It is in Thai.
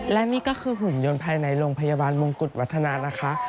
และนี่ก็คือหุ่นยนต์ภายในโรงพยาบาลมงกุฎวัฒนานะคะ